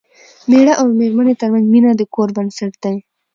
د مېړه او مېرمنې ترمنځ مینه د کور بنسټ دی.